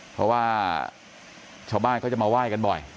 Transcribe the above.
เพราะว่าชาวบ้านเขาจะมาไหว้กันบ่อย